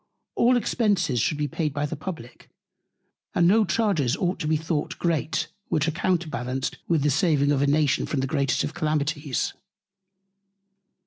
All Expences should be paid by the Publick, and no Charges ought to be thought great, which are counterbalanced with the saving a Nation from the greatest of Calamities.